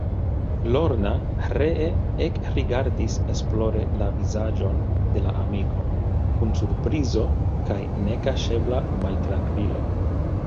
Lorna ree ekrigardis esplore la vizaĝon de la amiko, kun surprizo kaj nekaŝebla maltrankvilo.